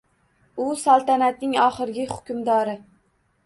U saltanatning oxirgi hukmdori